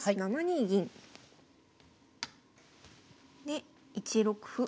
７二銀。で１六歩。